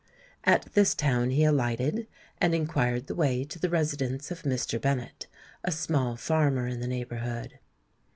At this town he alighted, and inquired the way to the residence of Mr. Bennet, a small farmer in the neighbourhood.